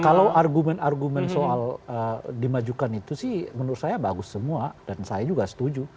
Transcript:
kalau argumen argumen soal dimajukan itu sih menurut saya bagus semua dan saya juga setuju